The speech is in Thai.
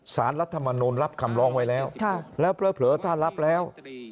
สารรัฐมนุนรับคำร้องไว้แล้วแล้วเผลอถ้ารับแล้ว